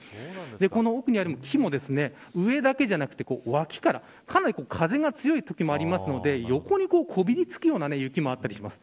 この奥にある木も上だけじゃなくて、脇からかなり風が強いときもありますので横に、こびりつくような雪もあったりします。